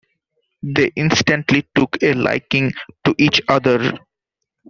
They instantly took a liking to each other.